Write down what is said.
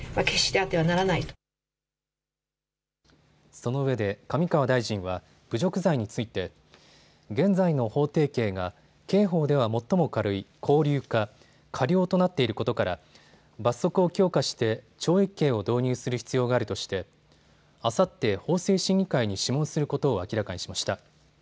そのうえで上川大臣は侮辱罪について現在の法定刑が刑法では最も軽い拘留か科料となっていることから罰則を強化して懲役刑を導入する必要があるとしてあさって、法制審議会に諮問することを明らかにしました。